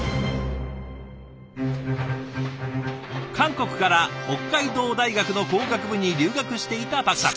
韓国から北海道大学の工学部に留学していたパクさん。